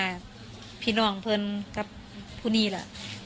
แล้วพี่นกพึนกับพูนีล่ะใครเป็นพ่อกัน